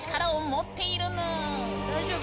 大丈夫？